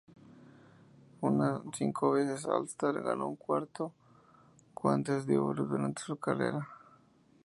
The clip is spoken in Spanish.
Un cinco veces All-Star, ganó cuatro Guantes de Oro durante su carrera.